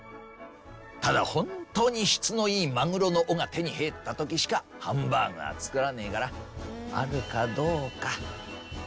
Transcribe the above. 「ただホントに質のいいマグロの尾が手に入った時しかハンバーグは作らねえからあるかどうか」。